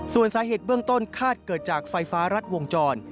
ส่วนสาเหตุเบื้องต้นคาดเกิดจากไฟฟ้ารัดวงจร